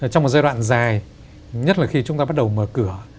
trong một giai đoạn dài nhất là khi chúng ta bắt đầu mở cửa